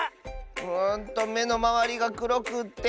うんとめのまわりがくろくって。